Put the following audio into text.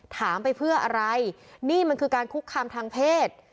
ถามไปเพื่ออะไรนี่มันคือการคุกคามทางเพศ